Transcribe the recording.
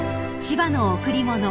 ［『千葉の贈り物』］